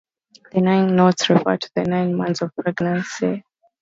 The nine knots refer to the nine months of pregnancy.